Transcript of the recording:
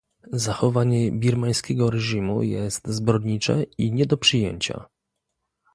Zachowanie birmańskiego reżimu jest zbrodnicze i nie do przyjęcia